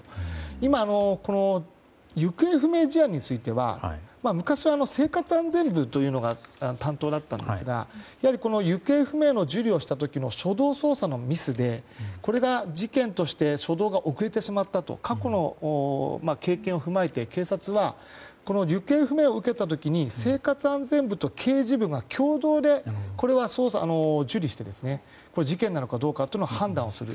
今、行方不明事案については昔は生活安全部というのが担当だったんですが行方不明の受理をした時の初動捜査のミスでこれが、事件として初動が遅れてしまったと過去の経験を踏まえて警察はこの行方不明を受けた時に生活安全部と刑事部が共同で受理して事件なのかどうかを判断する。